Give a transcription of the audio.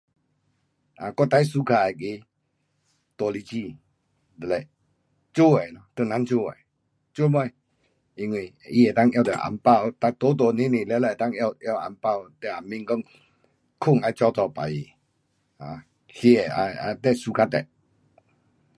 我最 suka 的大日子就是做年，华人做年什么，因为他可以拿到红包，大家做年全部都可以拿到红包。就是说睡要早早起，吃的 suka 的。